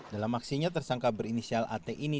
dalam aksinya tersangka berinisial at ini